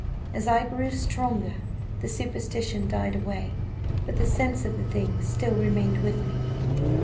As I grew stronger, the superstition died away, but the sense of the thing still remained with me.